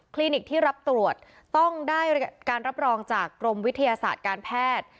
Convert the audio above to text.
ลินิกที่รับตรวจต้องได้การรับรองจากกรมวิทยาศาสตร์การแพทย์